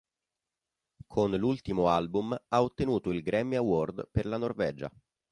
Con l'ultimo album ha ottenuto il Grammy Award per la Norvegia.